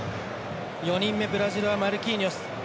４人目ブラジルはマルキーニョス。